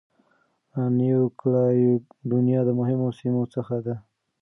نیو کالېډونیا د مهمو سیمو څخه ده.